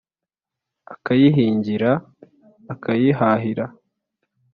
ukayihingira ukayihahira